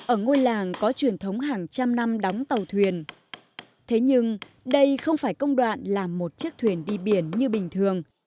ở ngôi làng có truyền thống hàng trăm năm đóng tàu thuyền thế nhưng đây không phải công đoạn làm một chiếc thuyền đi biển như bình thường